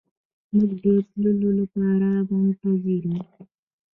موږ د تللو لپاره منتظر وو.